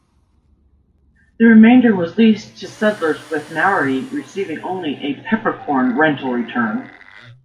The remainder was leased to settlers with Maori receiving only a "peppercorn" rental return.